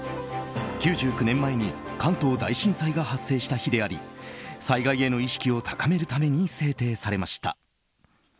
９９年前に関東大震災が発生した日であり災害への意識を高めるために制定されました。